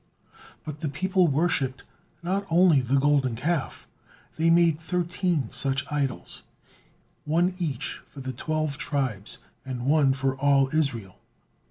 But the people worshipped not only the Golden Calf, they made thirteen such idols, one each for the twelve tribes, and one for all Israel.